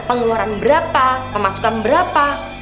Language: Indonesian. pengeluaran berapa pemasukan berapa